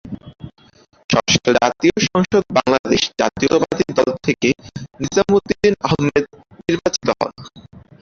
ষষ্ঠ জাতীয় সংসদ বাংলাদেশ জাতীয়তাবাদী দল থেকে নিজাম উদ্দিন আহম্মেদ নির্বাচিত হন।